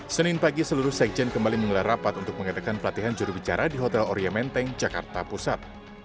senin pagi seluruh sekjen kembali menggelar rapat untuk mengadakan pelatihan jurubicara di hotel oria menteng jakarta pusat